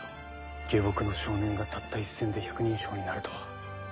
下僕の少年がたった一戦で百人将になるとは。